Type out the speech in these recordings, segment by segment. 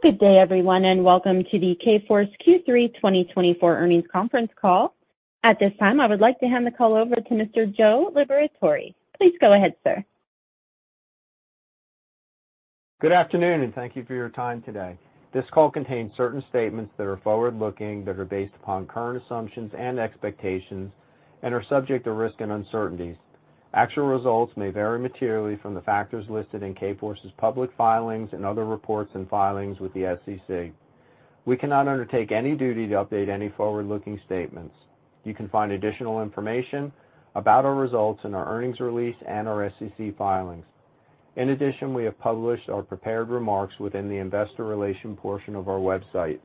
Good day, everyone, and welcome to the Kforce Q3 2024 Earnings Conference Call. At this time, I would like to hand the call over to Mr. Joe Liberatore. Please go ahead, sir. Good afternoon, and thank you for your time today. This call contains certain statements that are forward-looking, that are based upon current assumptions and expectations and are subject to risk and uncertainties. Actual results may vary materially from the factors listed in Kforce's public filings and other reports and filings with the SEC. We cannot undertake any duty to update any forward-looking statements. You can find additional information about our results in our earnings release and our SEC filings. In addition, we have published our prepared remarks within the investor relation portion of our website.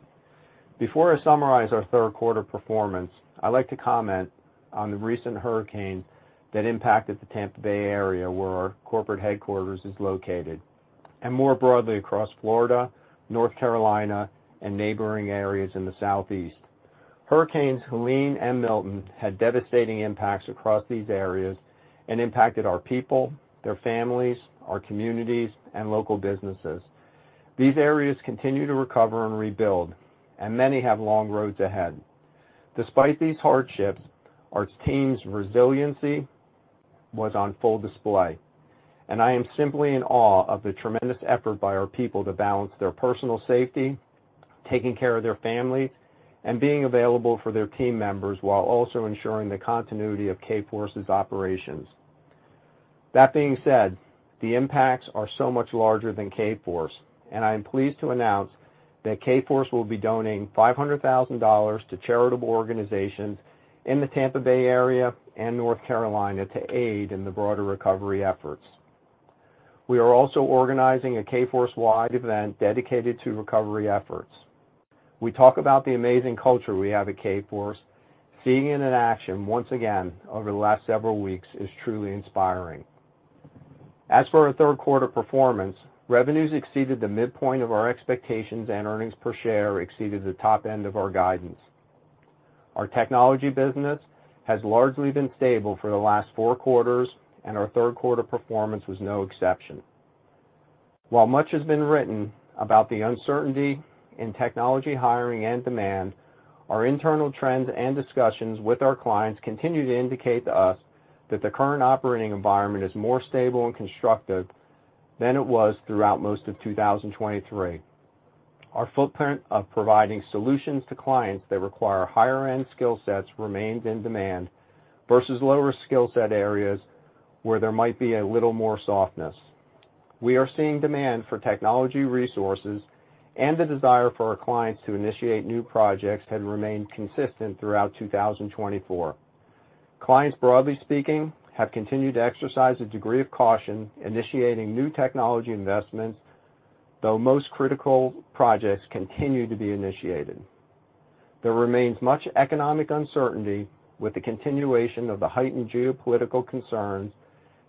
Before I summarize our third quarter performance, I'd like to comment on the recent hurricane that impacted the Tampa Bay area, where our corporate headquarters is located, and more broadly, across Florida, North Carolina, and neighboring areas in the Southeast. Hurricanes Helene and Milton had devastating impacts across these areas and impacted our people, their families, our communities, and local businesses. These areas continue to recover and rebuild, and many have long roads ahead. Despite these hardships, our team's resiliency was on full display, and I am simply in awe of the tremendous effort by our people to balance their personal safety, taking care of their family, and being available for their team members, while also ensuring the continuity of Kforce's operations. That being said, the impacts are so much larger than Kforce, and I am pleased to announce that Kforce will be donating $500,000 to charitable organizations in the Tampa Bay area and North Carolina to aid in the broader recovery efforts. We are also organizing a Kforce-wide event dedicated to recovery efforts. We talk about the amazing culture we have at Kforce. Seeing it in action once again over the last several weeks is truly inspiring. As for our third quarter performance, revenues exceeded the midpoint of our expectations, and earnings per share exceeded the top end of our guidance. Our technology business has largely been stable for the last four quarters, and our third quarter performance was no exception. While much has been written about the uncertainty in technology hiring and demand, our internal trends and discussions with our clients continue to indicate to us that the current operating environment is more stable and constructive than it was throughout most of two thousand and twenty-three. Our footprint of providing solutions to clients that require higher-end skill sets remains in demand versus lower skill set areas where there might be a little more softness. We are seeing demand for technology resources and the desire for our clients to initiate new projects have remained consistent throughout two thousand and twenty-four. Clients, broadly speaking, have continued to exercise a degree of caution initiating new technology investments, though most critical projects continue to be initiated. There remains much economic uncertainty with the continuation of the heightened geopolitical concerns,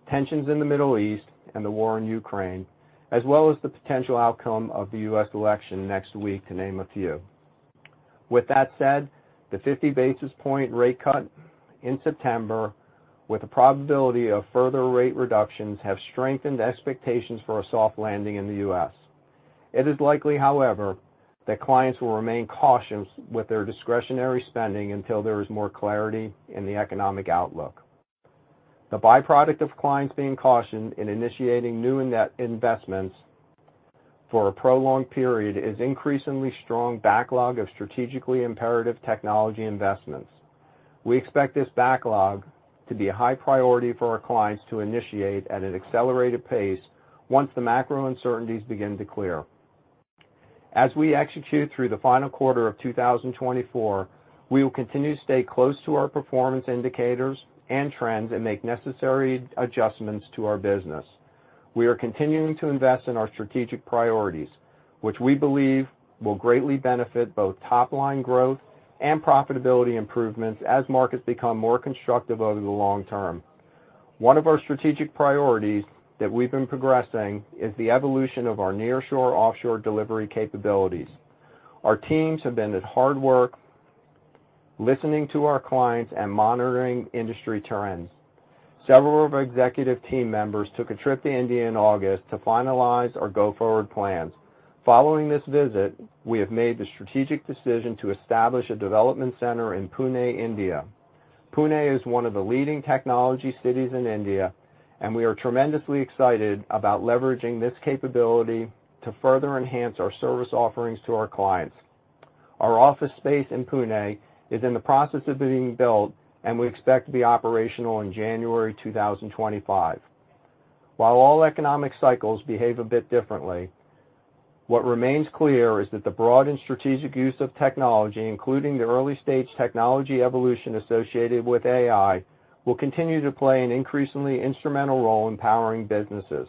tensions in the Middle East and the war in Ukraine, as well as the potential outcome of the U.S. election next week, to name a few. With that said, the 50 basis point rate cut in September with the probability of further rate reductions, have strengthened expectations for a soft landing in the U.S. It is likely, however, that clients will remain cautious with their discretionary spending until there is more clarity in the economic outlook. The byproduct of clients being cautioned in initiating new net investments for a prolonged period is an increasingly strong backlog of strategically imperative technology investments. We expect this backlog to be a high priority for our clients to initiate at an accelerated pace once the macro uncertainties begin to clear. As we execute through the final quarter of 2024, we will continue to stay close to our performance indicators and trends and make necessary adjustments to our business. We are continuing to invest in our strategic priorities, which we believe will greatly benefit both top-line growth and profitability improvements as markets become more constructive over the long term. One of our strategic priorities that we've been progressing is the evolution of our nearshore-offshore delivery capabilities. Our teams have been hard at work listening to our clients and monitoring industry trends. Several of our executive team members took a trip to India in August to finalize our go-forward plans. Following this visit, we have made the strategic decision to establish a development center in Pune, India. Pune is one of the leading technology cities in India, and we are tremendously excited about leveraging this capability to further enhance our service offerings to our clients. Our office space in Pune is in the process of being built, and we expect to be operational in January two thousand and twenty-five. While all economic cycles behave a bit differently, what remains clear is that the broad and strategic use of technology, including the early-stage technology evolution associated with AI, will continue to play an increasingly instrumental role in powering businesses.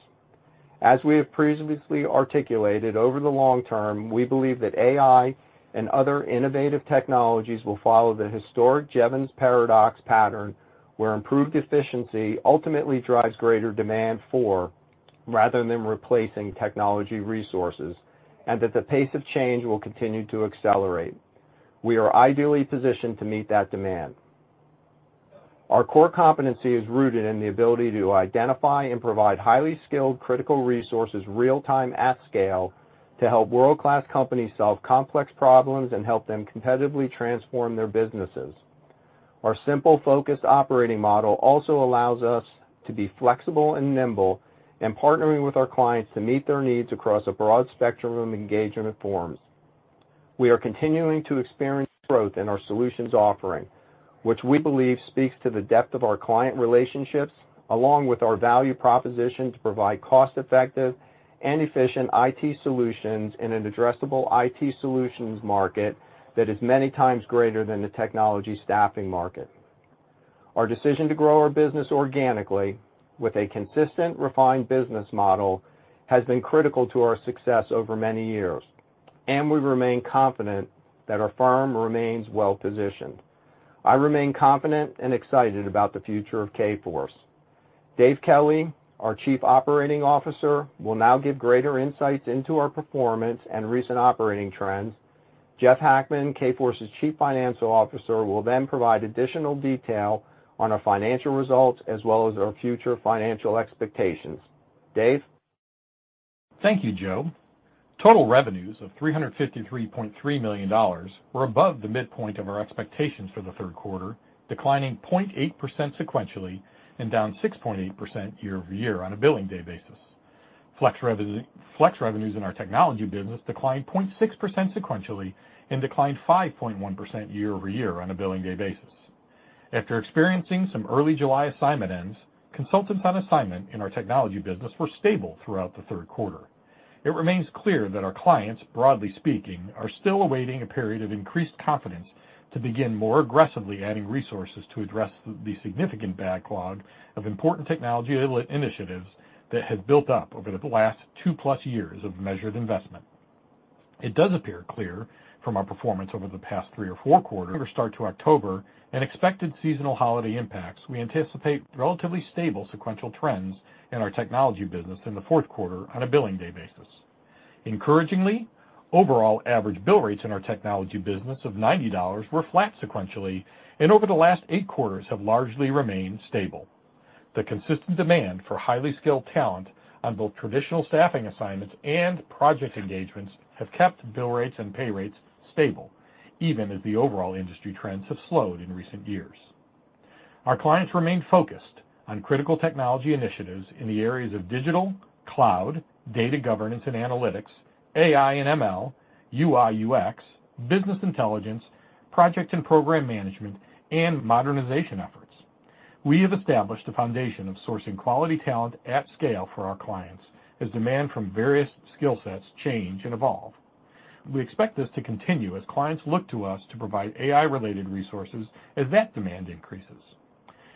As we have previously articulated, over the long term, we believe that AI and other innovative technologies will follow the historic Jevons Paradox pattern, where improved efficiency ultimately drives greater demand for rather than replacing technology resources, and that the pace of change will continue to accelerate. We are ideally positioned to meet that demand.... Our core competency is rooted in the ability to identify and provide highly skilled, critical resources, real-time, at scale, to help world-class companies solve complex problems and help them competitively transform their businesses. Our simple, focused operating model also allows us to be flexible and nimble in partnering with our clients to meet their needs across a broad spectrum of engagement forms. We are continuing to experience growth in our solutions offering, which we believe speaks to the depth of our client relationships, along with our value proposition to provide cost-effective and efficient IT solutions in an addressable IT solutions market that is many times greater than the technology staffing market. Our decision to grow our business organically with a consistent, refined business model has been critical to our success over many years, and we remain confident that our firm remains well-positioned. I remain confident and excited about the future of Kforce. Dave Kelly, our Chief Operating Officer, will now give greater insights into our performance and recent operating trends. Jeff Hackman, Kforce's Chief Financial Officer, will then provide additional detail on our financial results as well as our future financial expectations. Dave? Thank you, Joe. Total revenues of $353.3 million were above the midpoint of our expectations for the third quarter, declining 0.8% sequentially and down 6.8% year-over-year on a billing day basis. Flex revenues in our technology business declined 0.6% sequentially and declined 5.1% year-over-year on a billing day basis. After experiencing some early July assignment ends, consultants on assignment in our technology business were stable throughout the third quarter. It remains clear that our clients, broadly speaking, are still awaiting a period of increased confidence to begin more aggressively adding resources to address the significant backlog of important technology initiatives that have built up over the last two-plus years of measured investment. It does appear clear from our performance over the past three or four quarters start of October and expected seasonal holiday impacts, we anticipate relatively stable sequential trends in our technology business in the fourth quarter on a billing day basis. Encouragingly, overall average bill rates in our technology business of $90 were flat sequentially, and over the last eight quarters have largely remained stable. The consistent demand for highly skilled talent on both traditional staffing assignments and project engagements have kept bill rates and pay rates stable, even as the overall industry trends have slowed in recent years. Our clients remain focused on critical technology initiatives in the areas of digital, cloud, data governance and analytics, AI and ML, UI, UX, business intelligence, project and program management, and modernization efforts. We have established a foundation of sourcing quality talent at scale for our clients as demand from various skill sets change and evolve. We expect this to continue as clients look to us to provide AI-related resources as that demand increases.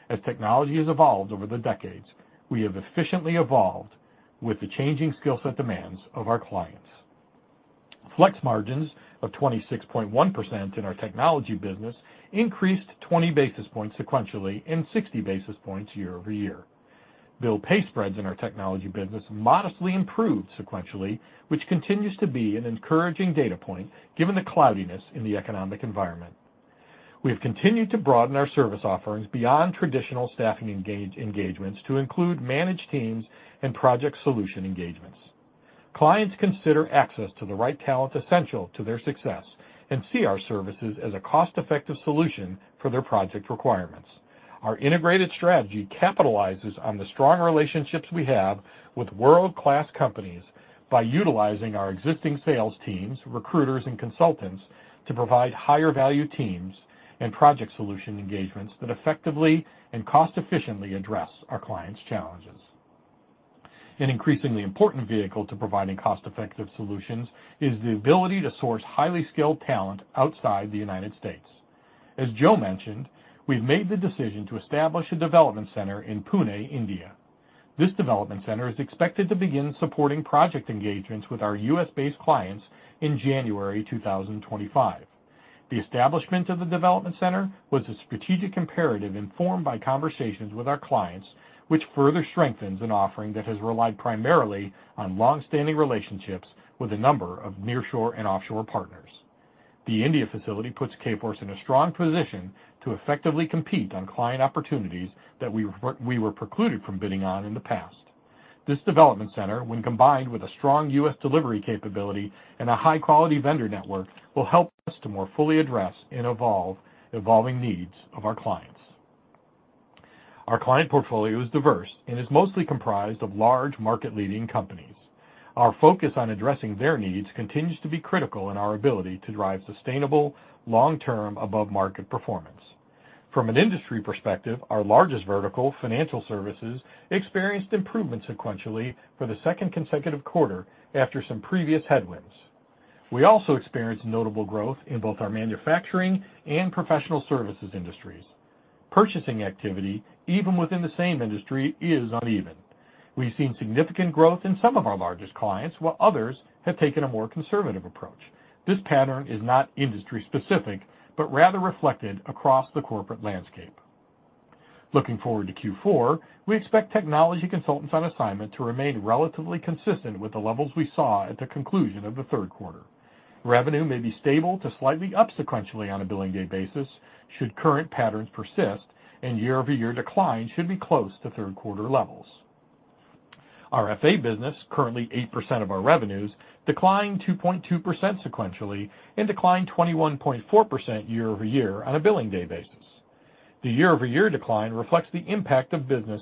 As technology has evolved over the decades, we have efficiently evolved with the changing skill set demands of our clients. Flex margins of 26.1% in our technology business increased 20 basis points sequentially and 60 basis points year-over-year. Bill-pay spreads in our technology business modestly improved sequentially, which continues to be an encouraging data point given the cloudiness in the economic environment. We have continued to broaden our service offerings beyond traditional staffing engagements to include managed teams and project solution engagements. Clients consider access to the right talent essential to their success and see our services as a cost-effective solution for their project requirements. Our integrated strategy capitalizes on the strong relationships we have with world-class companies by utilizing our existing sales teams, recruiters, and consultants to provide higher value teams and project solution engagements that effectively and cost-efficiently address our clients' challenges. An increasingly important vehicle to providing cost-effective solutions is the ability to source highly skilled talent outside the United States. As Joe mentioned, we've made the decision to establish a development center in Pune, India. This development center is expected to begin supporting project engagements with our U.S.-based clients in January 2025. The establishment of the development center was a strategic imperative informed by conversations with our clients, which further strengthens an offering that has relied primarily on long-standing relationships with a number of nearshore and offshore partners. The India facility puts Kforce in a strong position to effectively compete on client opportunities that we were precluded from bidding on in the past. This development center, when combined with a strong U.S. delivery capability and a high-quality vendor network, will help us to more fully address the evolving needs of our clients. Our client portfolio is diverse and is mostly comprised of large, market-leading companies. Our focus on addressing their needs continues to be critical in our ability to drive sustainable, long-term, above-market performance. From an industry perspective, our largest vertical, financial services, experienced improvement sequentially for the second consecutive quarter after some previous headwinds. We also experienced notable growth in both our manufacturing and professional services industries. Purchasing activity, even within the same industry, is uneven. We've seen significant growth in some of our largest clients, while others have taken a more conservative approach. This pattern is not industry specific, but rather reflected across the corporate landscape. Looking forward to Q4, we expect technology consultants on assignment to remain relatively consistent with the levels we saw at the conclusion of the third quarter. Revenue may be stable to slightly up sequentially on a billing day basis should current patterns persist, and year-over-year decline should be close to third quarter levels. Our F&A business, currently 8% of our revenues, declined 2.2% sequentially and declined 21.4% year-over-year on a billing day basis. The year-over-year decline reflects the impact of business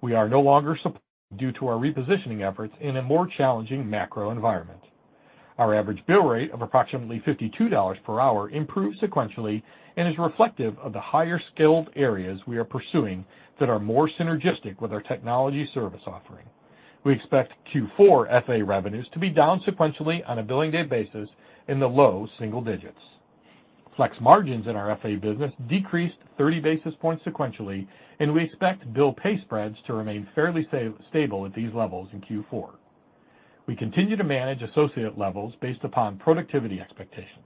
we are no longer supplying due to our repositioning efforts in a more challenging macro environment. Our average bill rate of approximately $52 per hour improved sequentially and is reflective of the higher skilled areas we are pursuing that are more synergistic with our technology service offering. We expect Q4 F&A revenues to be down sequentially on a billing day basis in the low single digits. Flex margins in our F&A business decreased thirty basis points sequentially, and we expect bill-pay spreads to remain fairly stable at these levels in Q4. We continue to manage associate levels based upon productivity expectations.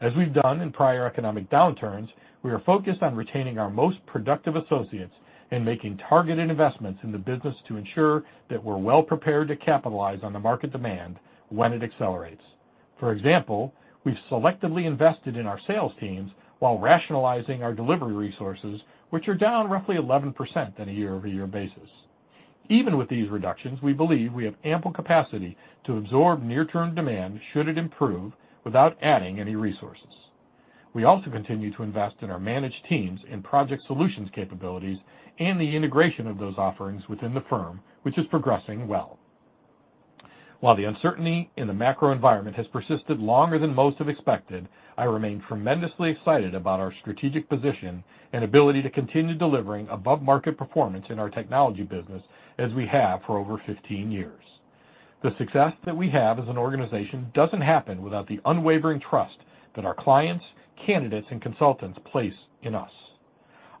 As we've done in prior economic downturns, we are focused on retaining our most productive associates and making targeted investments in the business to ensure that we're well-prepared to capitalize on the market demand when it accelerates. For example, we've selectively invested in our sales teams while rationalizing our delivery resources, which are down roughly 11% on a year-over-year basis. Even with these reductions, we believe we have ample capacity to absorb near-term demand, should it improve, without adding any resources. We also continue to invest in our managed teams and project solutions capabilities and the integration of those offerings within the firm, which is progressing well. While the uncertainty in the macro environment has persisted longer than most have expected, I remain tremendously excited about our strategic position and ability to continue delivering above-market performance in our technology business as we have for over 15 years. The success that we have as an organization doesn't happen without the unwavering trust that our clients, candidates, and consultants place in us.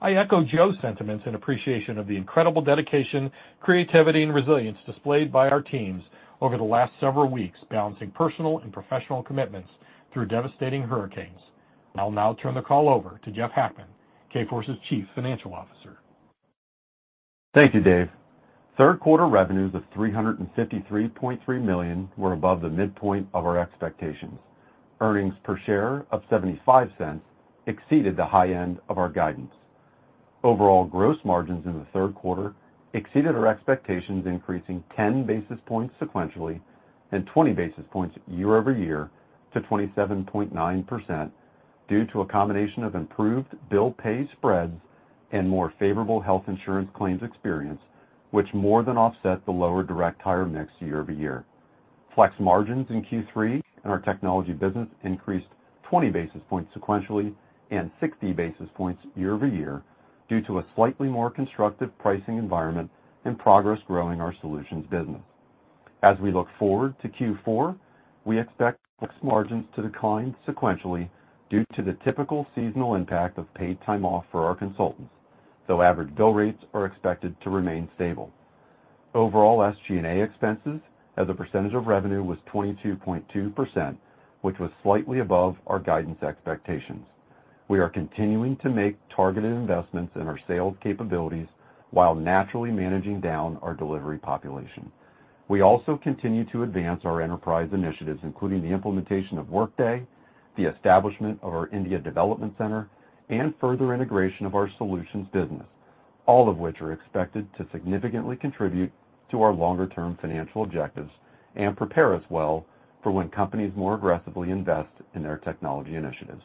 I echo Joe's sentiments and appreciation of the incredible dedication, creativity, and resilience displayed by our teams over the last several weeks, balancing personal and professional commitments through devastating hurricanes. I'll now turn the call over to Jeff Hackman, Kforce's Chief Financial Officer. Thank you, Dave. Third quarter revenues of $353.3 million were above the midpoint of our expectations. Earnings per share of $0.75 exceeded the high end of our guidance. Overall gross margins in the third quarter exceeded our expectations, increasing 10 basis points sequentially and 20 basis points year-over-year to 27.9% due to a combination of improved bill-pay spreads and more favorable health insurance claims experience, which more than offset the lower direct hire mix year-over-year. Flex margins in Q3 in our technology business increased 20 basis points sequentially and 60 basis points year-over-year due to a slightly more constructive pricing environment and progress growing our solutions business. As we look forward to Q4, we expect Flex margins to decline sequentially due to the typical seasonal impact of paid time off for our consultants, though average bill rates are expected to remain stable. Overall, SG&A expenses as a percentage of revenue was 22.2%, which was slightly above our guidance expectations. We are continuing to make targeted investments in our sales capabilities while naturally managing down our delivery population. We also continue to advance our enterprise initiatives, including the implementation of Workday, the establishment of our India Development Center, and further integration of our solutions business, all of which are expected to significantly contribute to our longer-term financial objectives and prepare us well for when companies more aggressively invest in their technology initiatives.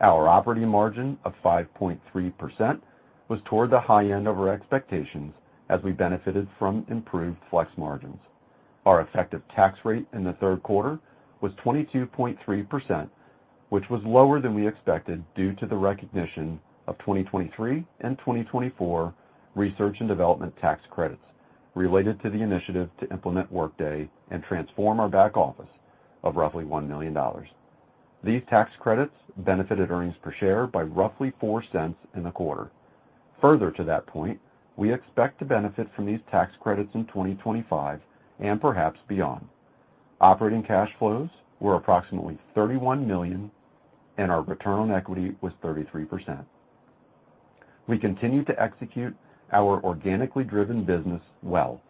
Our operating margin of 5.3% was toward the high end of our expectations as we benefited from improved Flex margins. Our effective tax rate in the third quarter was 22.3%, which was lower than we expected due to the recognition of 2023 and 2024 research and development tax credits related to the initiative to implement Workday and transform our back office of roughly $1 million. These tax credits benefited earnings per share by roughly $0.04 in the quarter. Further to that point, we expect to benefit from these tax credits in 2025 and perhaps beyond. Operating cash flows were approximately $31 million, and our return on equity was 33%. We continue to execute our organically driven business well,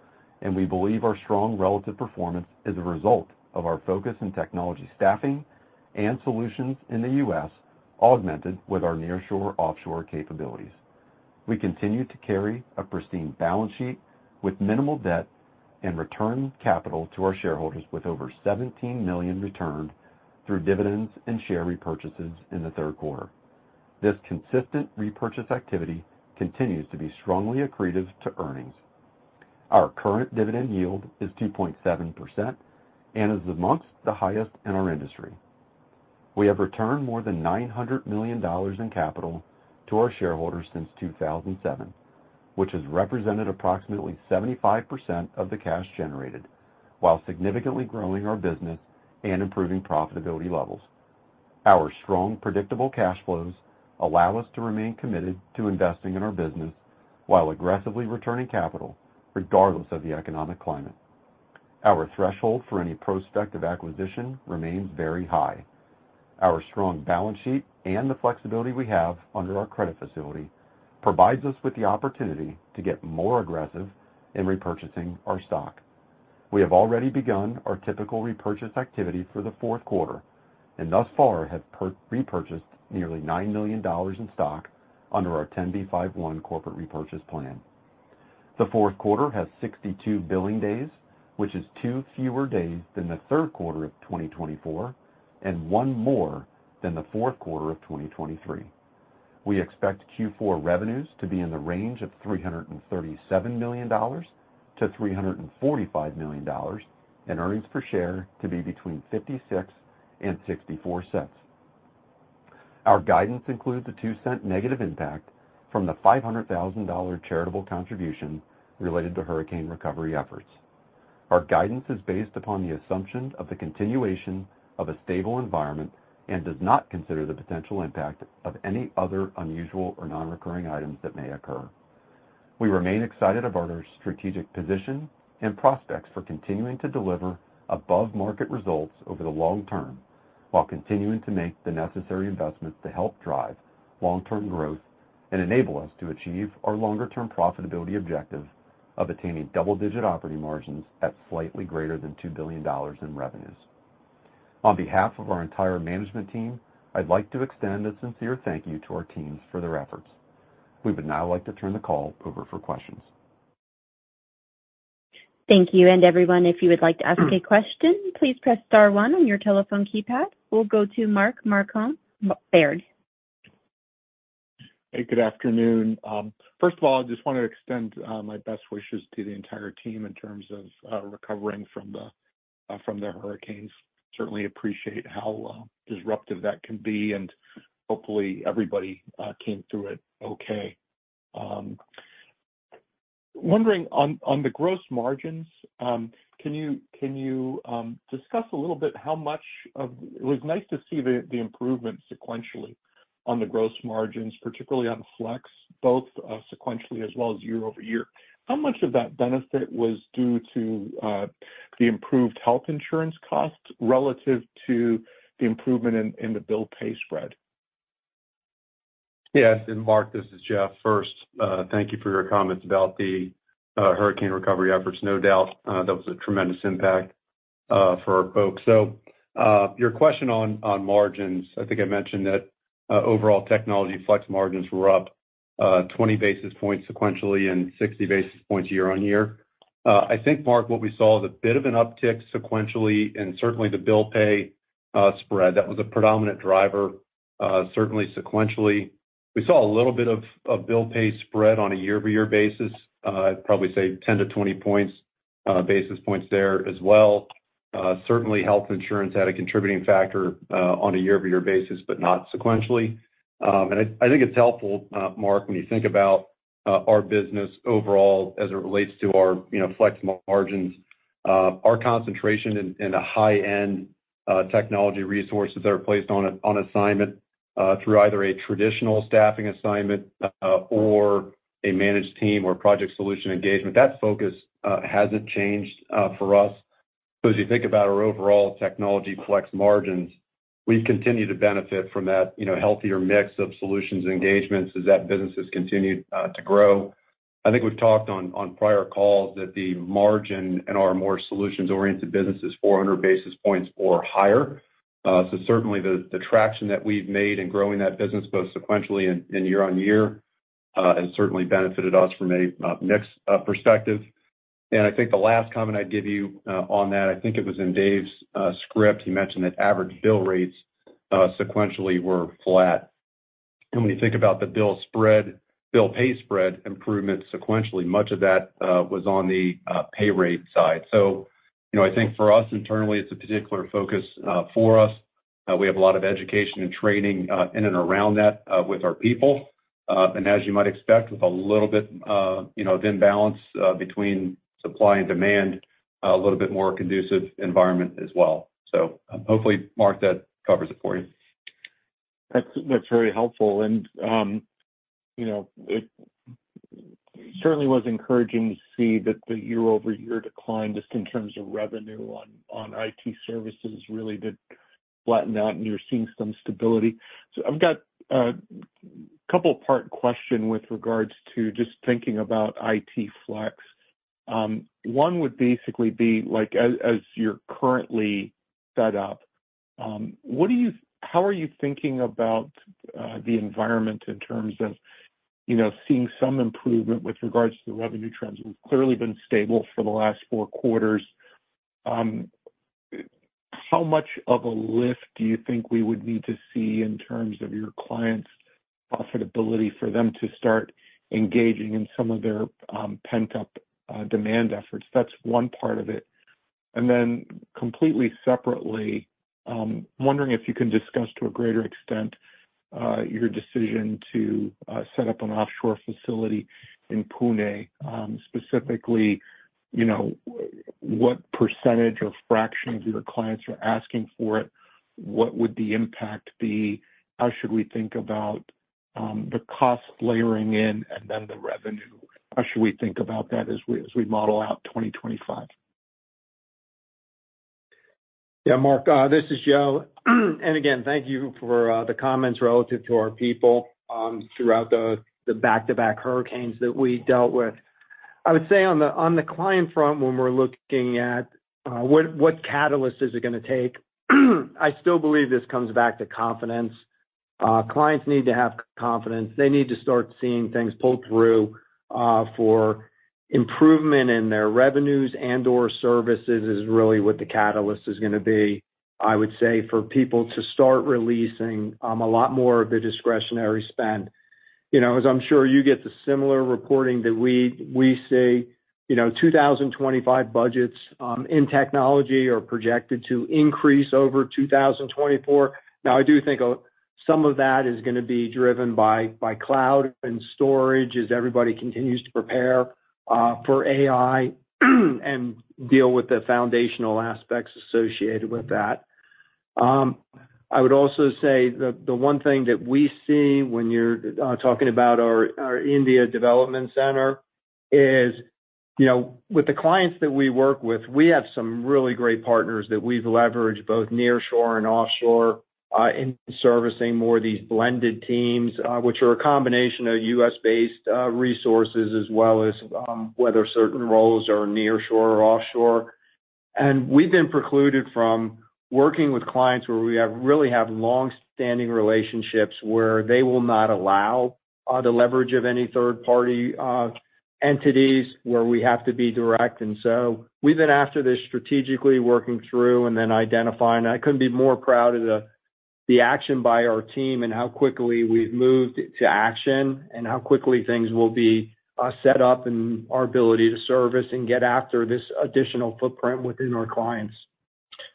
and we believe our strong relative performance is a result of our focus in technology, staffing, and solutions in the U.S., augmented with our nearshore-offshore capabilities. We continue to carry a pristine balance sheet with minimal debt and return capital to our shareholders with over $17 million returned through dividends and share repurchases in the third quarter. This consistent repurchase activity continues to be strongly accretive to earnings. Our current dividend yield is 2.7% and is among the highest in our industry. We have returned more than $900 million in capital to our shareholders since 2007, which has represented approximately 75% of the cash generated, while significantly growing our business and improving profitability levels. Our strong, predictable cash flows allow us to remain committed to investing in our business while aggressively returning capital regardless of the economic climate. Our threshold for any prospective acquisition remains very high. Our strong balance sheet and the flexibility we have under our credit facility provides us with the opportunity to get more aggressive in repurchasing our stock. We have already begun our typical repurchase activity for the fourth quarter, and thus far have repurchased nearly $9 million in stock under our 10b5-1 corporate repurchase plan. The fourth quarter has 62 billing days, which is 2 fewer days than the third quarter of 2024, and one more than the fourth quarter of 2023. We expect Q4 revenues to be in the range of $337 million-$345 million, and earnings per share to be between $0.56 and $0.64. Our guidance includes a 2-cent negative impact from the $500,000 charitable contribution related to hurricane recovery efforts. Our guidance is based upon the assumption of the continuation of a stable environment and does not consider the potential impact of any other unusual or non-recurring items that may occur. We remain excited about our strategic position and prospects for continuing to deliver above-market results over the long term, while continuing to make the necessary investments to help drive long-term growth and enable us to achieve our longer-term profitability objective of attaining double-digit operating margins at slightly greater than $2 billion in revenues. On behalf of our entire management team, I'd like to extend a sincere thank you to our teams for their efforts. We would now like to turn the call over for questions. Thank you. And everyone, if you would like to ask a question, please press star one on your telephone keypad. We'll go to Mark Marcon, Baird. Hey, good afternoon. First of all, I just want to extend my best wishes to the entire team in terms of recovering from the hurricanes. Certainly appreciate how disruptive that can be, and hopefully, everybody came through it okay. Wondering on the gross margins, can you discuss a little bit how much of... It was nice to see the improvement sequentially on the gross margins, particularly on Flex, both sequentially as well as year-over-year. How much of that benefit was due to the improved health insurance costs relative to the improvement in the bill-pay spread? Yes, and Mark, this is Jeff. First, thank you for your comments about the hurricane recovery efforts. No doubt that was a tremendous impact for our folks. So, your question on margins, I think I mentioned that overall technology Flex margins were up 20 basis points sequentially and 60 basis points year-on-year. I think, Mark, what we saw was a bit of an uptick sequentially, and certainly the bill-pay spread. That was a predominant driver, certainly sequentially. We saw a little bit of bill-pay spread on a year-over-year basis. I'd probably say 10 to 20 basis points there as well. Certainly, health insurance had a contributing factor on a year-over-year basis, but not sequentially. I think it's helpful, Mark, when you think about our business overall as it relates to our, you know, Flex margins. Our concentration in the high-end technology resources that are placed on assignment through either a traditional staffing assignment or a managed team or project solution engagement, that focus hasn't changed for us. So as you think about our overall technology Flex margins, we've continued to benefit from that, you know, healthier mix of solutions engagements as that business has continued to grow. I think we've talked on prior calls that the margin in our more solutions-oriented business is four hundred basis points or higher. So certainly, the traction that we've made in growing that business, both sequentially and year-on-year, has certainly benefited us from a mix perspective. And I think the last comment I'd give you on that, I think it was in Dave's script. He mentioned that average bill rates sequentially were flat. And when you think about the bill-pay spread improvement sequentially, much of that was on the pay rate side. So you know, I think for us, internally, it's a particular focus for us. We have a lot of education and training in and around that with our people. And as you might expect, with a little bit you know of imbalance between supply and demand, a little bit more conducive environment as well. So hopefully, Mark, that covers it for you. That's very helpful, and you know, it certainly was encouraging to see that the year-over-year decline, just in terms of revenue on IT services, really did flatten out, and you're seeing some stability, so I've got a couple part question with regards to just thinking about IT Flex. One would basically be like, as you're currently set up, how are you thinking about the environment in terms of, you know, seeing some improvement with regards to the revenue trends. We've clearly been stable for the last four quarters. How much of a lift do you think we would need to see in terms of your clients' profitability for them to start engaging in some of their pent-up demand efforts? That's one part of it. Then completely separately, wondering if you can discuss, to a greater extent, your decision to set up an offshore facility in Pune. Specifically, you know, what percentage of fraction of your clients are asking for it? What would the impact be? How should we think about the cost layering in and then the revenue? How should we think about that as we model out 2025? Yeah, Mark, this is Joe. And again, thank you for the comments relative to our people throughout the back-to-back hurricanes that we dealt with. I would say on the client front, when we're looking at what catalyst is it gonna take? I still believe this comes back to confidence. Clients need to have confidence. They need to start seeing things pull through for improvement in their revenues and/or services is really what the catalyst is gonna be, I would say, for people to start releasing a lot more of the discretionary spend. You know, as I'm sure you get the similar reporting that we see, you know, two thousand twenty-five budgets in technology are projected to increase over two thousand twenty-four. Now, I do think some of that is gonna be driven by cloud and storage as everybody continues to prepare for AI, and deal with the foundational aspects associated with that. I would also say the one thing that we see when you're talking about our India development center is, you know, with the clients that we work with, we have some really great partners that we've leveraged, both nearshore and offshore, in servicing more of these blended teams, which are a combination of U.S.-based resources, as well as whether certain roles are nearshore or offshore. We've been precluded from working with clients where we really have long-standing relationships, where they will not allow the leverage of any third-party entities, where we have to be direct. And so we've been after this strategically working through and then identifying. I couldn't be more proud of the action by our team and how quickly we've moved to action, and how quickly things will be set up, and our ability to service and get after this additional footprint within our clients.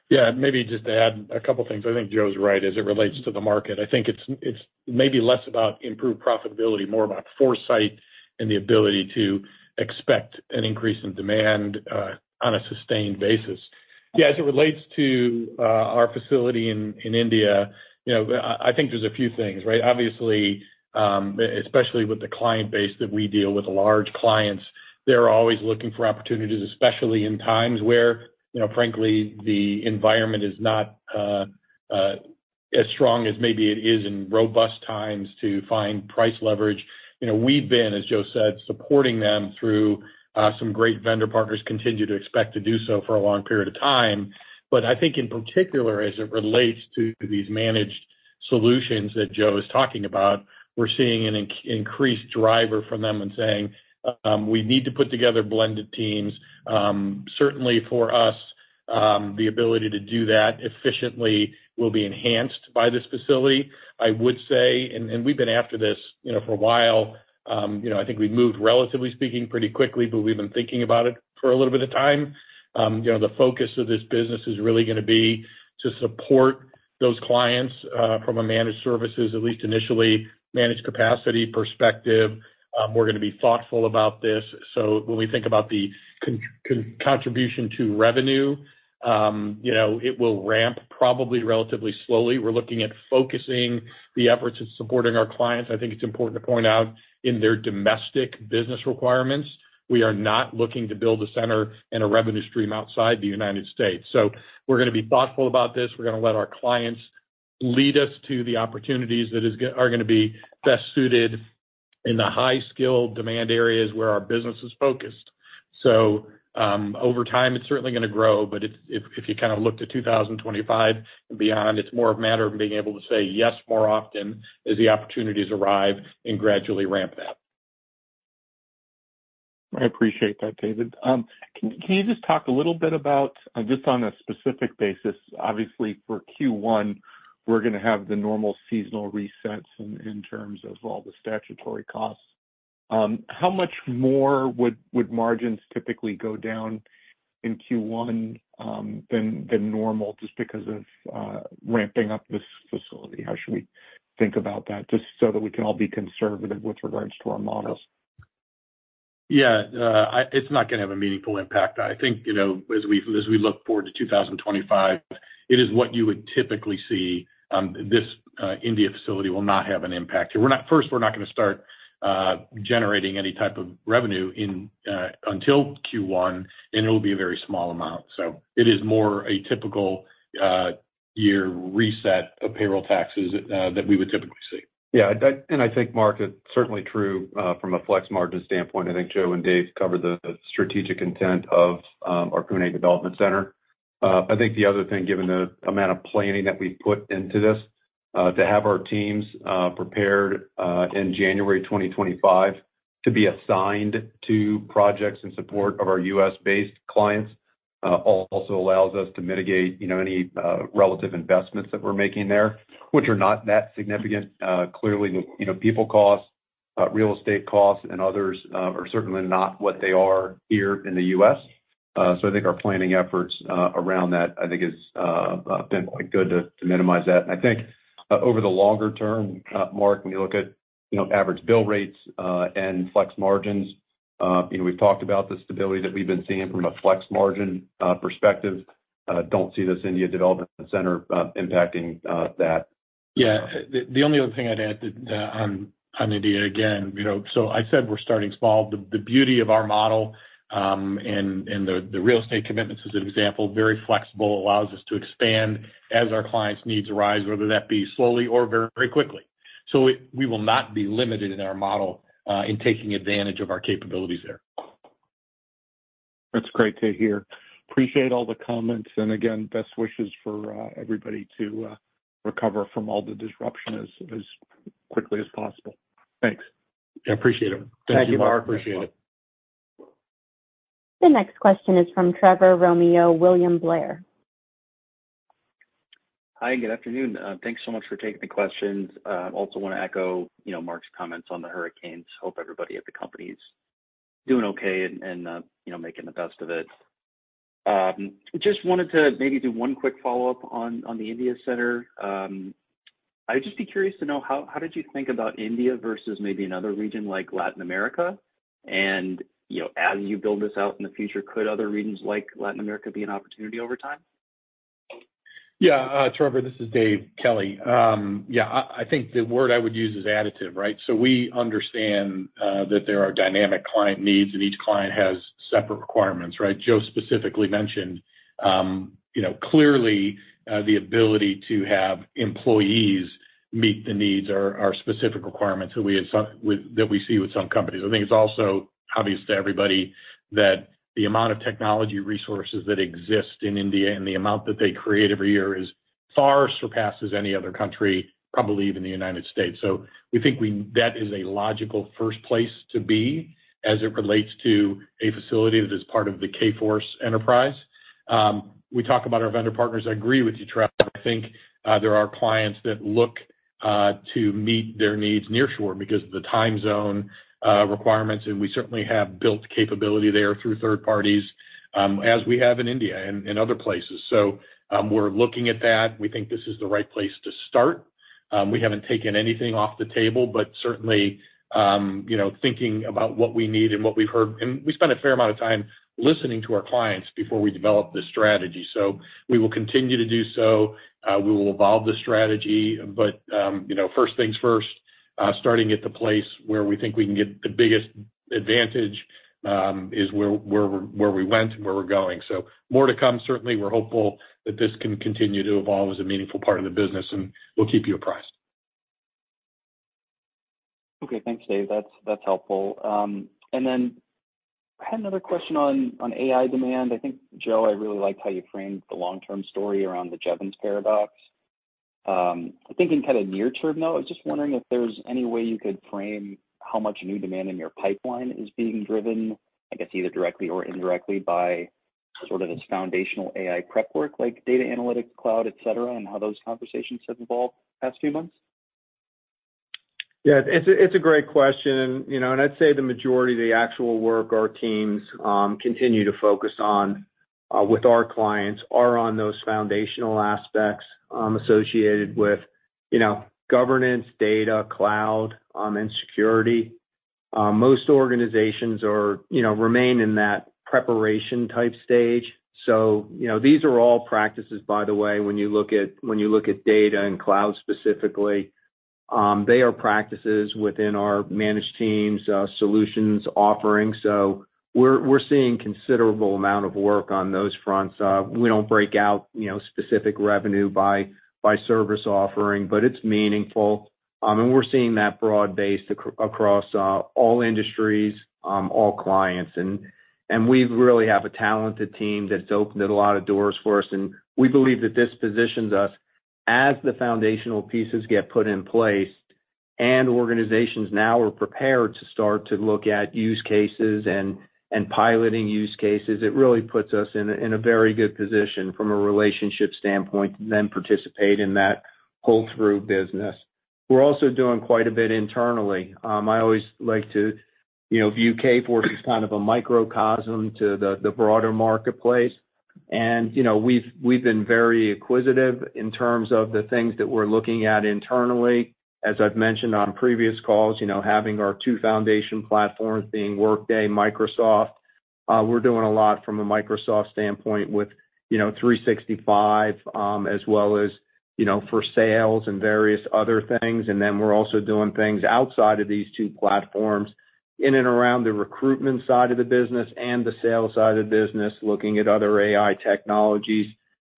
Yeah, maybe just to add a couple things. I think Joe's right as it relates to the market. I think it's maybe less about improved profitability, more about foresight and the ability to expect an increase in demand on a sustained basis. Yeah, as it relates to our facility in India, you know, I think there's a few things, right? Obviously, especially with the client base that we deal with, large clients, they're always looking for opportunities, especially in times where, you know, frankly, the environment is not as strong as maybe it is in robust times to find price leverage. You know, we've been, as Joe said, supporting them through some great vendor partners, continue to expect to do so for a long period of time. But I think in particular, as it relates to these managed solutions that Joe is talking about, we're seeing an increased driver from them in saying, "We need to put together blended teams." Certainly for us, the ability to do that efficiently will be enhanced by this facility. I would say, and we've been after this, you know, for a while, you know, I think we've moved, relatively speaking, pretty quickly, but we've been thinking about it for a little bit of time. You know, the focus of this business is really gonna be to support those clients from a managed services, at least initially, managed capacity perspective. We're gonna be thoughtful about this, so when we think about the contribution to revenue, you know, it will ramp probably relatively slowly. We're looking at focusing the efforts of supporting our clients, I think it's important to point out, in their domestic business requirements. We are not looking to build a center and a revenue stream outside the United States. So we're gonna be thoughtful about this. We're gonna let our clients lead us to the opportunities that are gonna be best suited in the high-skill demand areas where our business is focused. So, over time, it's certainly gonna grow, but if you kind of look to two thousand twenty-five and beyond, it's more a matter of being able to say yes more often as the opportunities arrive and gradually ramp that. I appreciate that, David. Can you just talk a little bit about just on a specific basis, obviously, for Q1, we're gonna have the normal seasonal resets in terms of all the statutory costs. How much more would margins typically go down in Q1 than normal just because of ramping up this facility? How should we think about that, just so that we can all be conservative with regards to our models? Yeah, it's not gonna have a meaningful impact. I think, you know, as we look forward to two thousand twenty-five, it is what you would typically see. This India facility will not have an impact. First, we're not gonna start generating any type of revenue until Q1, and it'll be a very small amount. So it is more a typical year reset of payroll taxes that we would typically see. Yeah, that, and I think, Mark, it's certainly true, from a Flex margin standpoint. I think Joe and Dave covered the strategic intent of our Pune Development Center. I think the other thing, given the amount of planning that we've put into this, to have our teams prepared in January 2025 to be assigned to projects in support of our U.S.-based clients, also allows us to mitigate, you know, any relative investments that we're making there, which are not that significant. Clearly, you know, people costs, real estate costs, and others, are certainly not what they are here in the U.S. So I think our planning efforts around that, I think, is been quite good to minimize that. I think over the longer term, Mark, when you look at, you know, average bill rates, and Flex margins, you know, we've talked about the stability that we've been seeing from a Flex margin, perspective. Don't see this India development center impacting that. Yeah, the only other thing I'd add to on India again, you know, so I said we're starting small. The beauty of our model and the real estate commitments, as an example, very flexible, allows us to expand as our clients' needs arise, whether that be slowly or very, very quickly. So we will not be limited in our model in taking advantage of our capabilities there. That's great to hear. Appreciate all the comments, and again, best wishes for everybody to recover from all the disruption as quickly as possible. Thanks. I appreciate it. Thank you, Mark. Appreciate it. The next question is from Trevor Romeo, William Blair. Hi, good afternoon. Thanks so much for taking the questions. I also want to echo, you know, Mark's comments on the hurricanes. Hope everybody at the company is doing okay and you know, making the best of it. Just wanted to maybe do one quick follow-up on the India center. I'd just be curious to know how did you think about India versus maybe another region like Latin America, and you know, as you build this out in the future, could other regions, like Latin America, be an opportunity over time? Yeah, Trevor, this is Dave Kelly. Yeah, I think the word I would use is additive, right? So we understand that there are dynamic client needs, and each client has separate requirements, right? Joe specifically mentioned, you know, clearly, the ability to have employees meet the needs or specific requirements that we see with some companies. I think it's also obvious to everybody that the amount of technology resources that exist in India and the amount that they create every year is far surpasses any other country, probably even the United States. So we think that is a logical first place to be as it relates to a facility that is part of the Kforce enterprise. We talk about our vendor partners. I agree with you, Trevor. I think, there are clients that look to meet their needs nearshore because of the time zone requirements, and we certainly have built capability there through third parties, as we have in India and other places. So, we're looking at that. We think this is the right place to start. We haven't taken anything off the table, but certainly, you know, thinking about what we need and what we've heard, and we spent a fair amount of time listening to our clients before we developed this strategy. So we will continue to do so. We will evolve the strategy, but, you know, first things first, starting at the place where we think we can get the biggest advantage, is where we went and where we're going. So more to come. Certainly, we're hopeful that this can continue to evolve as a meaningful part of the business, and we'll keep you apprised. Okay, thanks, Dave. That's, that's helpful. And then I had another question on AI demand. I think, Joe, I really liked how you framed the long-term story around the Jevons Paradox. I think in kind of near term, though, I was just wondering if there's any way you could frame how much new demand in your pipeline is being driven, I guess, either directly or indirectly, by sort of this foundational AI prep work, like data analytics, cloud, et cetera, and how those conversations have evolved the past few months? Yeah, it's a, it's a great question, and, you know, and I'd say the majority of the actual work our teams continue to focus on with our clients are on those foundational aspects associated with, you know, governance, data, cloud, and security. Most organizations are, you know, remain in that preparation-type stage. So, you know, these are all practices, by the way, when you look at, when you look at data and cloud specifically, they are practices within our managed teams solutions offering. So we're seeing considerable amount of work on those fronts. We don't break out, you know, specific revenue by service offering, but it's meaningful. And we're seeing that broad base across all industries, all clients. And we really have a talented team that's opened a lot of doors for us, and we believe that this positions us as the foundational pieces get put in place and organizations now are prepared to start to look at use cases and piloting use cases. It really puts us in a very good position from a relationship standpoint to then participate in that pull-through business. We're also doing quite a bit internally. I always like to, you know, view Kforce as kind of a microcosm to the broader marketplace. You know, we've been very acquisitive in terms of the things that we're looking at internally. As I've mentioned on previous calls, you know, having our two foundation platforms being Workday, Microsoft, we're doing a lot from a Microsoft standpoint with, you know, 365, as well as, you know, for sales and various other things, and then we're also doing things outside of these two platforms in and around the recruitment side of the business and the sales side of the business, looking at other AI technologies.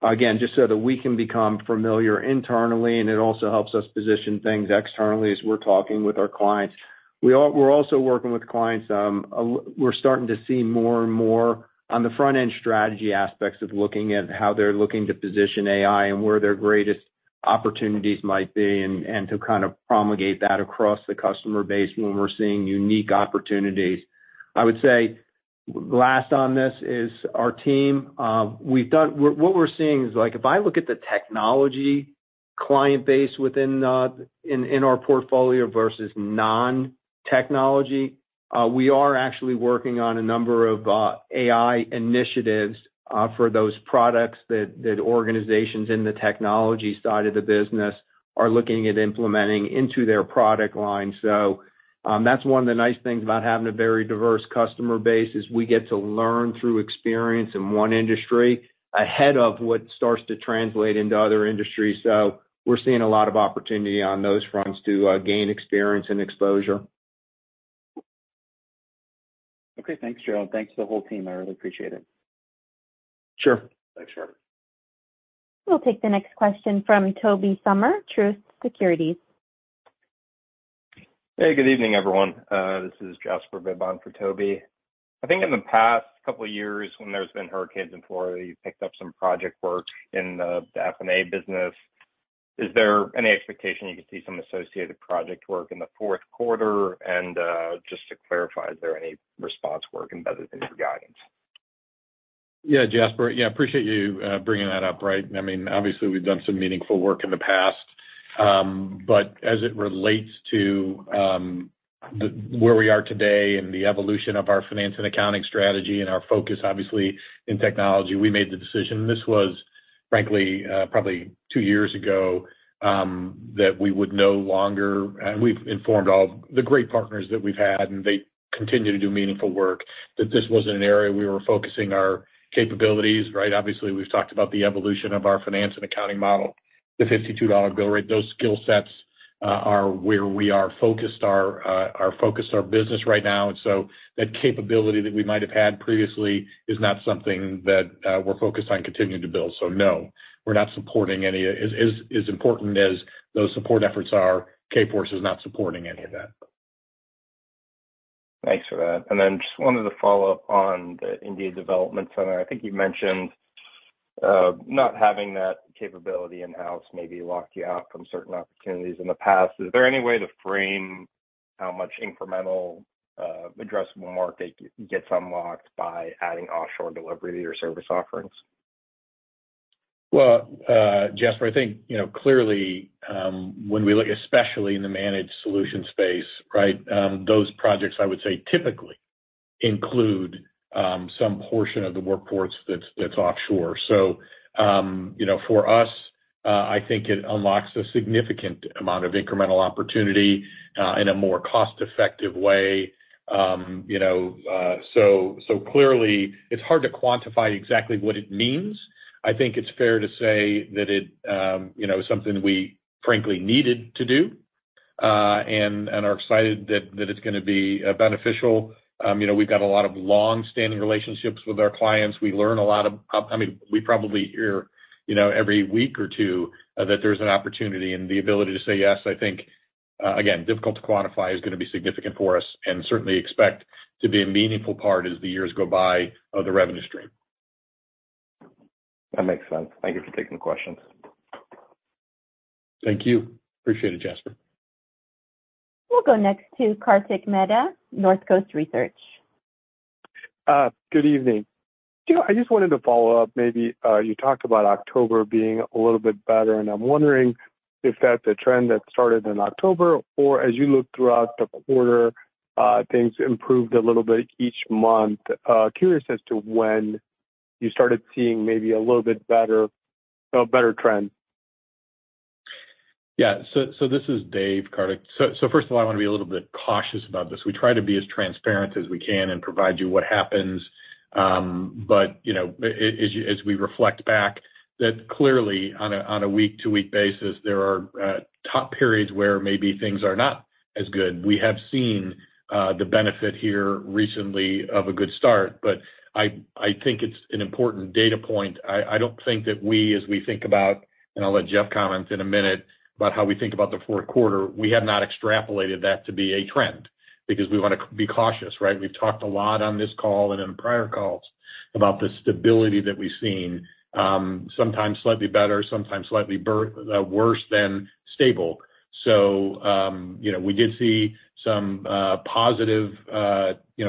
Again, just so that we can become familiar internally, and it also helps us position things externally as we're talking with our clients. We're also working with clients, we're starting to see more and more on the front-end strategy aspects of looking at how they're looking to position AI and where their greatest opportunities might be, and to kind of promulgate that across the customer base when we're seeing unique opportunities. I would say, last on this is our team. We've done. What we're seeing is, like, if I look at the technology client base within, in our portfolio versus non-technology, we are actually working on a number of, AI initiatives, for those products that organizations in the technology side of the business are looking at implementing into their product line. That's one of the nice things about having a very diverse customer base, is we get to learn through experience in one industry ahead of what starts to translate into other industries. We're seeing a lot of opportunity on those fronts to, gain experience and exposure. Okay, thanks, Gerald. Thanks to the whole team. I really appreciate it. Sure. Thanks, Trevor. We'll take the next question from Toby Sommer, Truist Securities. Hey, good evening, everyone. This is Jasper Bibb for Toby. I think in the past couple of years when there's been hurricanes in Florida, you've picked up some project work in the F&A business. Is there any expectation you could see some associated project work in the fourth quarter? Just to clarify, is there any response work embedded into your guidance? Yeah, Jasper. Yeah, I appreciate you bringing that up, right? I mean, obviously, we've done some meaningful work in the past. But as it relates to where we are today and the evolution of our finance and accounting strategy and our focus, obviously, in technology, we made the decision, and this was frankly probably two years ago, that we would no longer. We've informed all the great partners that we've had, and they continue to do meaningful work, that this wasn't an area we were focusing our capabilities, right? Obviously, we've talked about the evolution of our finance and accounting model, the $52 bill rate. Those skill sets are where we are focused our focus, our business right now. And so that capability that we might have had previously is not something that we're focused on continuing to build. So no, we're not supporting any, as important as those support efforts are, Kforce is not supporting any of that. Thanks for that. And then just wanted to follow up on the India Development Center. I think you mentioned not having that capability in-house maybe locked you out from certain opportunities in the past. Is there any way to frame how much incremental addressable market gets unlocked by adding offshore delivery to your service offerings? Jasper, I think, you know, clearly, when we look, especially in the managed solution space, right, those projects, I would say, typically include some portion of the workforce that's offshore. So, you know, for us, I think it unlocks a significant amount of incremental opportunity in a more cost-effective way. You know, so clearly it's hard to quantify exactly what it means. I think it's fair to say that it, you know, is something we frankly needed to do, and are excited that it's gonna be beneficial. You know, we've got a lot of long-standing relationships with our clients. We learn a lot of. I mean, we probably hear, you know, every week or two, that there's an opportunity and the ability to say yes, I think, again, difficult to quantify, is gonna be significant for us, and certainly expect to be a meaningful part as the years go by of the revenue stream. That makes sense. Thank you for taking the question. Thank you. Appreciate it, Jasper. We'll go next to Kartik Mehta, North Coast Research. Good evening. You know, I just wanted to follow up, maybe, you talked about October being a little bit better, and I'm wondering if that's a trend that started in October, or as you look throughout the quarter, things improved a little bit each month. Curious as to when you started seeing maybe a little bit better, a better trend. Yeah. So this is Dave, Kartik. So first of all, I wanna be a little bit cautious about this. We try to be as transparent as we can and provide you what happens. But you know, as we reflect back, that clearly on a week-to-week basis, there are tough periods where maybe things are not as good. We have seen the benefit here recently of a good start, but I think it's an important data point. I don't think that we, as we think about, and I'll let Jeff comment in a minute, about how we think about the fourth quarter, we have not extrapolated that to be a trend, because we wanna be cautious, right? We've talked a lot on this call and in prior calls about the stability that we've seen, sometimes slightly better, sometimes slightly worse than stable. So, you know, we did see some positive, you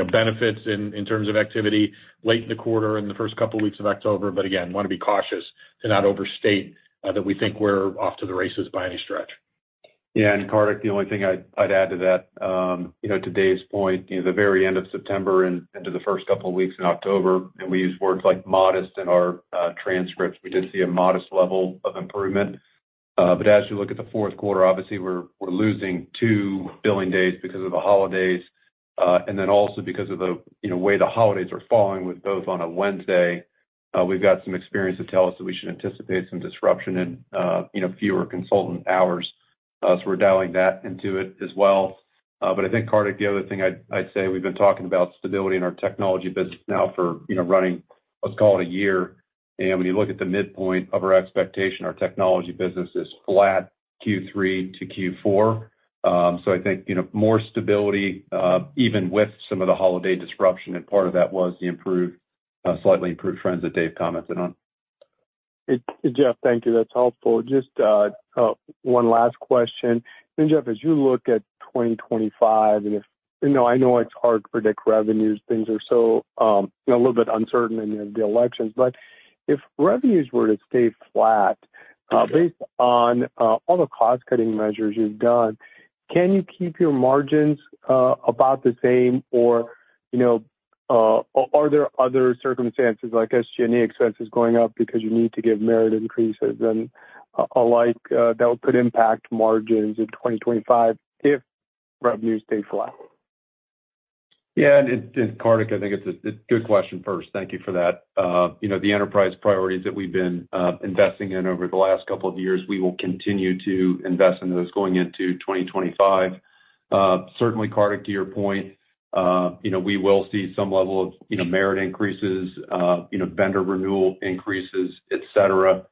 know, benefits in terms of activity late in the quarter, in the first couple of weeks of October. But again, wanna be cautious to not overstate that we think we're off to the races by any stretch. Yeah, and Kartik, the only thing I'd add to that, you know, to Dave's point, you know, the very end of September and into the first couple of weeks in October, and we use words like modest in our transcripts, we did see a modest level of improvement. But as you look at the fourth quarter, obviously, we're losing two billing days because of the holidays, and then also because of the way the holidays are falling, with both on a Wednesday. We've got some experience to tell us that we should anticipate some disruption in fewer consultant hours, so we're dialing that into it as well. But I think, Kartik, the other thing I'd say, we've been talking about stability in our technology business now for, you know, running, let's call it a year. When you look at the midpoint of our expectation, our technology business is flat Q3 to Q4. So I think, you know, more stability, even with some of the holiday disruption, and part of that was the slightly improved trends that Dave commented on. Hey, Jeff, thank you. That's helpful. Just one last question. Then, Jeff, as you look at 2025, and if... You know, I know it's hard to predict revenues. Things are so, you know, a little bit uncertain in the elections. But if revenues were to stay flat, based on all the cost-cutting measures you've done, can you keep your margins about the same? Or, you know, are there other circumstances, like SG&A expenses going up because you need to give merit increases and alike, that could impact margins in 2025 if revenues stay flat? Yeah, and Kartik, I think it's a good question first. Thank you for that. You know, the enterprise priorities that we've been investing in over the last couple of years, we will continue to invest in those going into 2025. Certainly, Kartik, to your point, you know, we will see some level of, you know, merit increases, you know, vendor renewal increases, et cetera,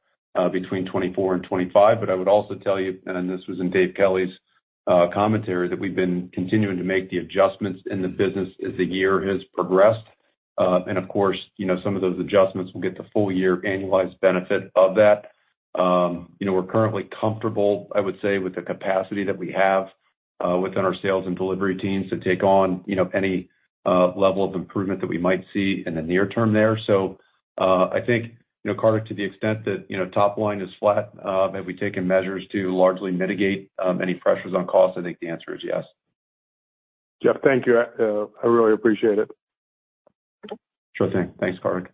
between 2024 and 2025. But I would also tell you, and this was in Dave Kelly's commentary, that we've been continuing to make the adjustments in the business as the year has progressed. And of course, you know, some of those adjustments will get the full year annualized benefit of that. You know, we're currently comfortable, I would say, with the capacity that we have within our sales and delivery teams to take on, you know, any level of improvement that we might see in the near term there. So, I think, you know, Kartik, to the extent that, you know, top line is flat, have we taken measures to largely mitigate any pressures on cost? I think the answer is yes. Jeff, thank you. I really appreciate it. Sure thing. Thanks, Kartik.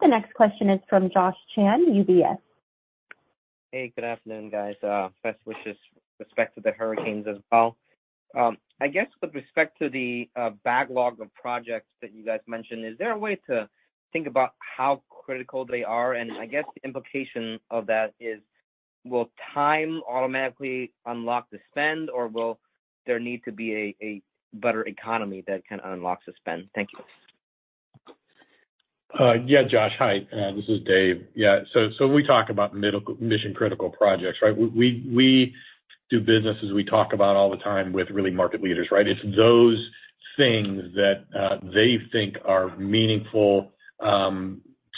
The next question is from Josh Chan, UBS. Hey, good afternoon, guys. Best wishes with respect to the hurricanes as well. I guess with respect to the backlog of projects that you guys mentioned, is there a way to think about how critical they are? And I guess the implication of that is, will time automatically unlock the spend, or will there need to be a better economy that can unlock the spend? Thank you. Yeah, Josh. Hi, this is Dave. Yeah, so when we talk about mission-critical projects, right? We do business, as we talk about all the time, with really market leaders, right? It's those things that they think are meaningful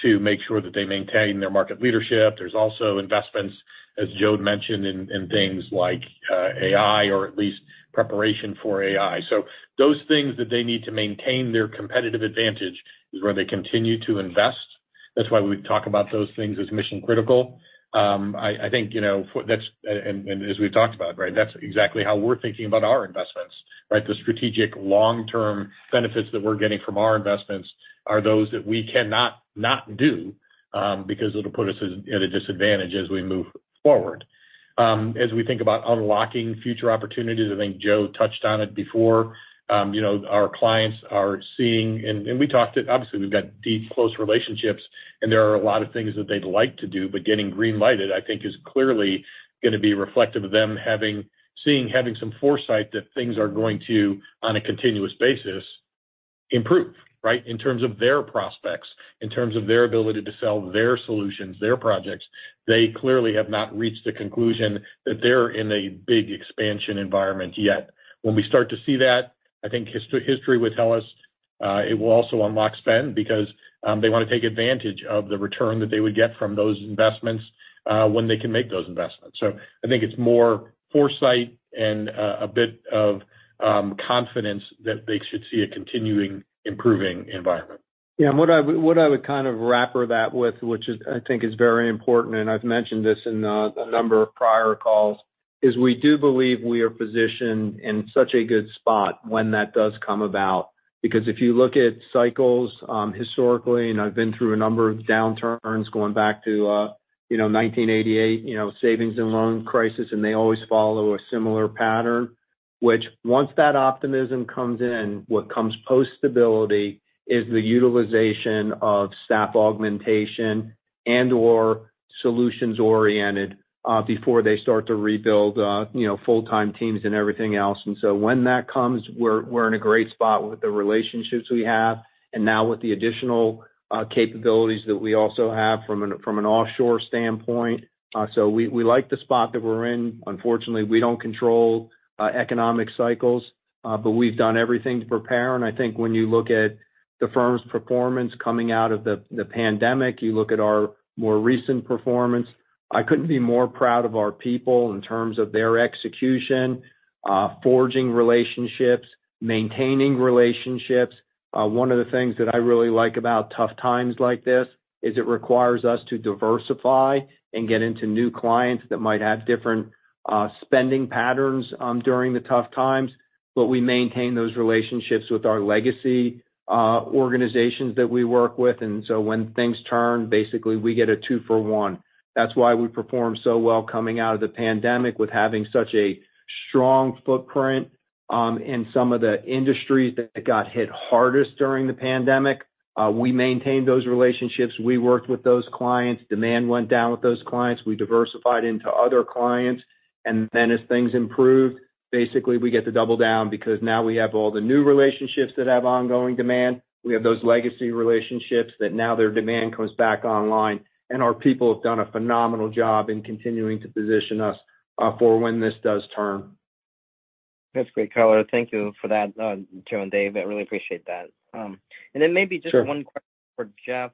to make sure that they maintain their market leadership. There's also investments, as Joe mentioned, in things like AI or at least preparation for AI. So those things that they need to maintain their competitive advantage is where they continue to invest. That's why we talk about those things as mission-critical. I think, you know, that's. And as we've talked about, right, that's exactly how we're thinking about our investments, right? The strategic long-term benefits that we're getting from our investments are those that we cannot not do, because it'll put us at a disadvantage as we move forward. As we think about unlocking future opportunities, I think Joe touched on it before, you know, our clients are seeing. And we talked it, obviously, we've got deep, close relationships, and there are a lot of things that they'd like to do, but getting green-lighted, I think, is clearly gonna be reflective of them having some foresight that things are going to, on a continuous basis, improve, right? In terms of their prospects, in terms of their ability to sell their solutions, their projects, they clearly have not reached the conclusion that they're in a big expansion environment yet. When we start to see that, I think history would tell us, it will also unlock spend because, they want to take advantage of the return that they would get from those investments, when they can make those investments. So I think it's more foresight and, a bit of, confidence that they should see a continuing, improving environment. Yeah, and what I would kind of wrap that with, which I think is very important, and I've mentioned this in a number of prior calls, is we do believe we are positioned in such a good spot when that does come about. Because if you look at cycles, historically, and I've been through a number of downturns going back to, you know, 1988, you know, savings and loan crisis, and they always follow a similar pattern, which once that optimism comes in, what comes post-stability is the utilization of staff augmentation and/or solutions-oriented, before they start to rebuild, you know, full-time teams and everything else. And so when that comes, we're in a great spot with the relationships we have, and now with the additional capabilities that we also have from an offshore standpoint. So we like the spot that we're in. Unfortunately, we don't control economic cycles, but we've done everything to prepare. And I think when you look at the firm's performance coming out of the pandemic, you look at our more recent performance. I couldn't be more proud of our people in terms of their execution, forging relationships, maintaining relationships. One of the things that I really like about tough times like this is it requires us to diversify and get into new clients that might have different spending patterns during the tough times, but we maintain those relationships with our legacy organizations that we work with. And so when things turn, basically we get a two for one. That's why we performed so well coming out of the pandemic with having such a strong footprint in some of the industries that got hit hardest during the pandemic. We maintained those relationships. We worked with those clients. Demand went down with those clients. We diversified into other clients, and then as things improved, basically, we get to double down because now we have all the new relationships that have ongoing demand. We have those legacy relationships that now their demand comes back online, and our people have done a phenomenal job in continuing to position us for when this does turn. That's great color. Thank you for that, Joe and Dave, I really appreciate that, and then maybe just- Sure. One question for Jeff.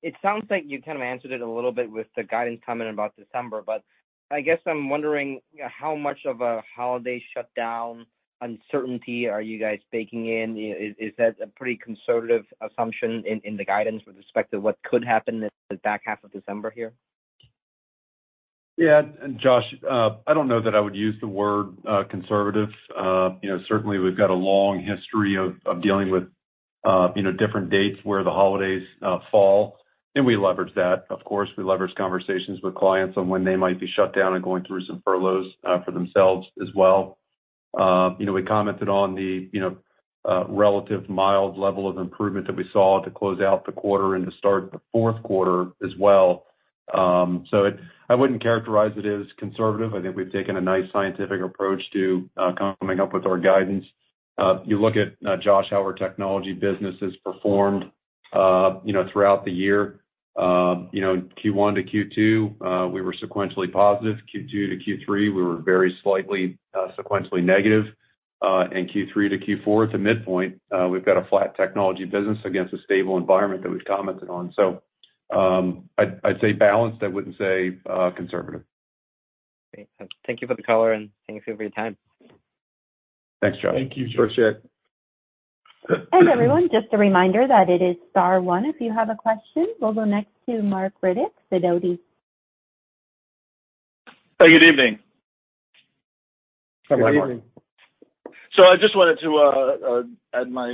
It sounds like you kind of answered it a little bit with the guidance coming in about December, but I guess I'm wondering how much of a holiday shutdown uncertainty are you guys baking in? Is that a pretty conservative assumption in the guidance with respect to what could happen in the back half of December here? Yeah, Josh, I don't know that I would use the word conservative. You know, certainly we've got a long history of dealing with different dates where the holidays fall, and we leverage that. Of course, we leverage conversations with clients on when they might be shut down and going through some furloughs for themselves as well. You know, we commented on the relative mild level of improvement that we saw to close out the quarter and to start the fourth quarter as well. So it-- I wouldn't characterize it as conservative. I think we've taken a nice scientific approach to coming up with our guidance. You look at, Josh, how our technology business has performed throughout the year. You know, Q1 to Q2, we were sequentially positive. Q2 to Q3, we were very slightly sequentially negative. Q3 to Q4, at the midpoint, we've got a flat technology business against a stable environment that we've commented on. I'd say balanced. I wouldn't say conservative. Great. Thank you for the color, and thank you for your time. Thanks, Josh. Thank you, Josh. Everyone, just a reminder that it is star one if you have a question. We'll go next to Marc Riddick, Sidoti. Hey, good evening. Good evening. Good evening. So I just wanted to add my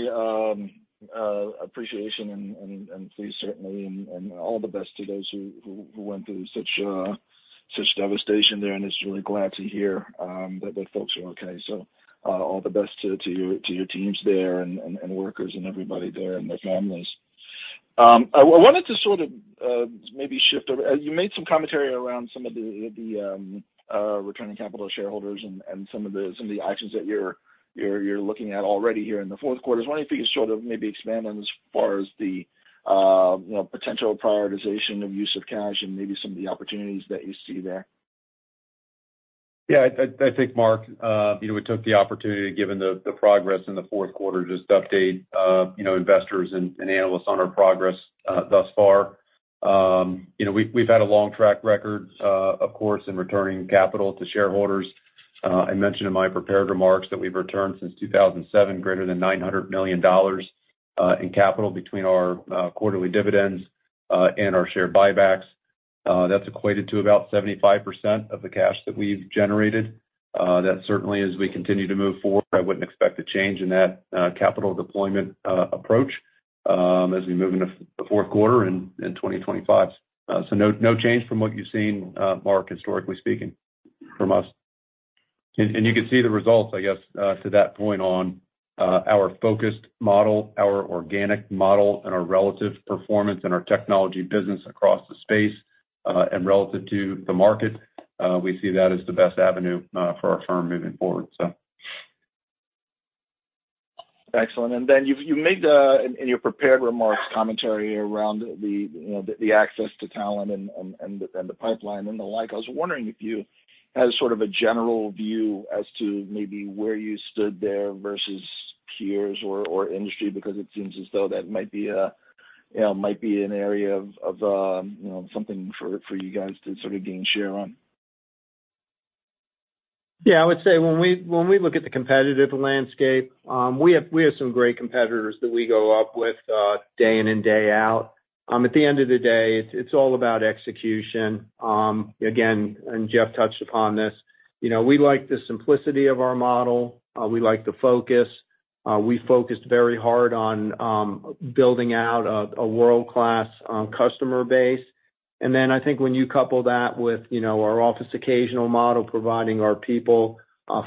appreciation and please certainly and all the best to those who went through such devastation there, and is really glad to hear that the folks are okay. So all the best to your teams there and workers and everybody there and their families. I wanted to sort of maybe shift over. You made some commentary around some of the returning capital shareholders and some of the actions that you're looking at already here in the fourth quarter. I was wondering if you could sort of maybe expand on as far as the you know potential prioritization of use of cash and maybe some of the opportunities that you see there. Yeah, I think, Marc, you know, we took the opportunity, given the progress in the fourth quarter, just to update, you know, investors and analysts on our progress thus far. You know, we've had a long track record, of course, in returning capital to shareholders. I mentioned in my prepared remarks that we've returned since 2007, greater than $900 million in capital between our quarterly dividends and our share buybacks. That's equated to about 75% of the cash that we've generated. That certainly, as we continue to move forward, I wouldn't expect a change in that capital deployment approach, as we move into the fourth quarter in 2025. So no change from what you've seen, Marc, historically speaking, from us. And you can see the results, I guess, to that point on our focused model, our organic model, and our relative performance and our technology business across the space and relative to the market. We see that as the best avenue for our firm moving forward, so. Excellent, and then you've made, in your prepared remarks, commentary around the, you know, the access to talent and the pipeline and the like. I was wondering if you had sort of a general view as to maybe where you stood there versus peers or industry, because it seems as though that might be a, you know, might be an area of, you know, something for you guys to sort of gain share on. Yeah, I would say when we look at the competitive landscape, we have some great competitors that we go up with day in and day out. At the end of the day, it's all about execution. Again, and Jeff touched upon this, you know, we like the simplicity of our model. We like the focus. We focused very hard on building out a world-class customer base. And then I think when you couple that with, you know, our Office Occasional model, providing our people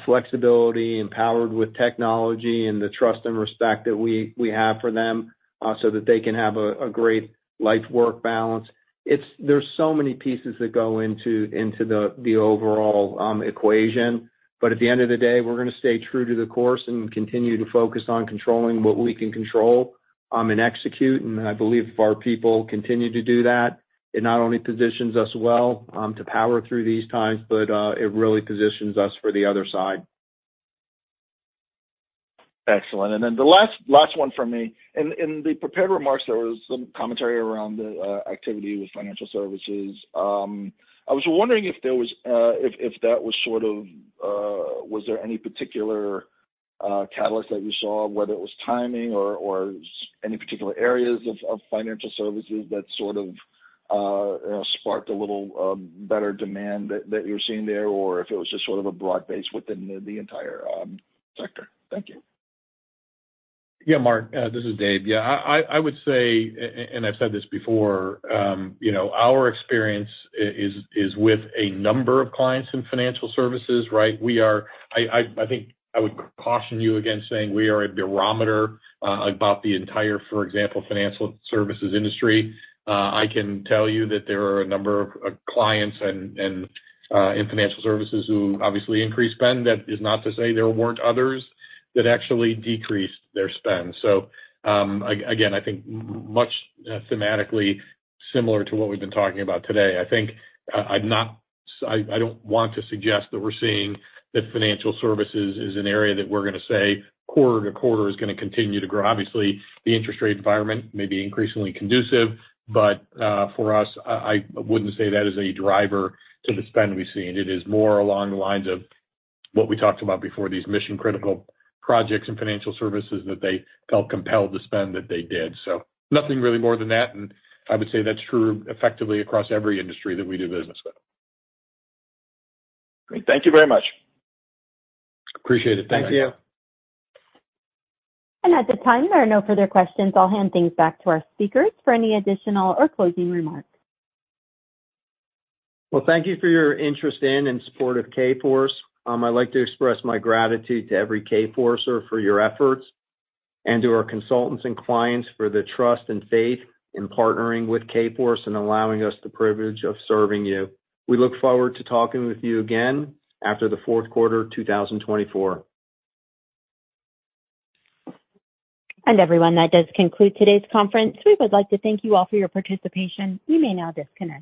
flexibility, empowered with technology and the trust and respect that we have for them, so that they can have a great work-life balance. It's. There's so many pieces that go into the overall equation. But at the end of the day, we're gonna stay true to the course and continue to focus on controlling what we can control, and execute. And I believe if our people continue to do that, it not only positions us well, to power through these times, but it really positions us for the other side. Excellent. And then the last one from me. In the prepared remarks, there was some commentary around the activity with financial services. I was wondering if there was, if that was sort of, was there any particular catalyst that you saw, whether it was timing or any particular areas of financial services that sort of sparked a little better demand that you're seeing there, or if it was just sort of a broad base within the entire sector? Thank you. Yeah, Marc, this is Dave. Yeah, I would say, and I've said this before, you know, our experience is with a number of clients in financial services, right? We are... I think I would caution you against saying we are a barometer about the entire, for example, financial services industry. I can tell you that there are a number of clients and in financial services who obviously increased spend. That is not to say there weren't others that actually decreased their spend. So, again, I think much thematically similar to what we've been talking about today. I think, I'm not. I don't want to suggest that we're seeing that financial services is an area that we're gonna say quarter to quarter is gonna continue to grow. Obviously, the interest rate environment may be increasingly conducive, but for us, I wouldn't say that is a driver to the spend we've seen. It is more along the lines of what we talked about before, these mission-critical projects and financial services that they felt compelled to spend, that they did. So nothing really more than that, and I would say that's true effectively across every industry that we do business with. Great. Thank you very much. Appreciate it. Thank you. Thank you. At this time, there are no further questions. I'll hand things back to our speakers for any additional or closing remarks. Thank you for your interest in and support of Kforce. I'd like to express my gratitude to every Kforcer for your efforts, and to our consultants and clients for the trust and faith in partnering with Kforce and allowing us the privilege of serving you. We look forward to talking with you again after the fourth quarter of 2024. Everyone, that does conclude today's conference. We would like to thank you all for your participation. You may now disconnect.